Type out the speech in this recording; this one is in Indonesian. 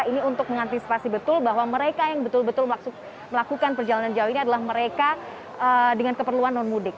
ini untuk mengantisipasi betul bahwa mereka yang betul betul melakukan perjalanan jauh ini adalah mereka dengan keperluan non mudik